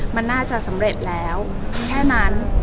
มันน่าจะสำเร็จแล้วแค่นั้น